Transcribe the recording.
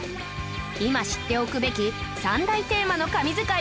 今知っておくべき３大テーマの神図解を大公開！